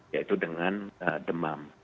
yaitu dengan demam